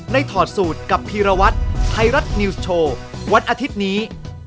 ถอดสูตรกับพีรวัตรไทยรัฐนิวส์โชว์วันอาทิตย์นี้